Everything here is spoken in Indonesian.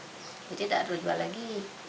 jadi tak perlu jual lagi